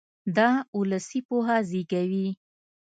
دا اولسي پوهه زېږوي.